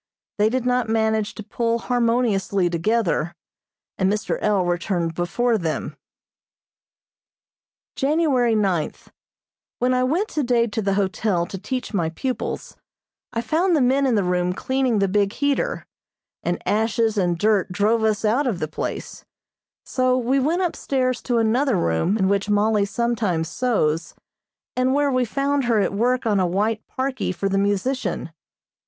They did not manage to pull harmoniously together, and Mr. L. returned before them. January ninth: When I went today to the hotel to teach my pupils, I found the men in the room cleaning the big heater, and ashes and dirt drove us out of the place, so we went upstairs to another room in which Mollie sometimes sews, and where we found her at work on a white parkie for the musician.